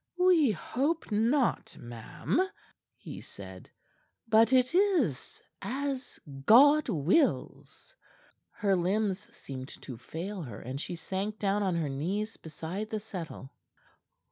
"We hope not, ma'am," he said. "But it is as God wills." Her limbs seemed to fail her, and she sank down on her knees beside the settle.